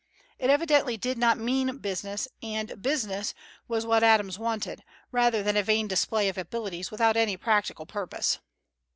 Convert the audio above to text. It evidently did not "mean business," and "business" was what Adams wanted, rather than a vain display of abilities without any practical purpose.